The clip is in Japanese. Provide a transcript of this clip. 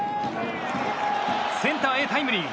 センターへタイムリー。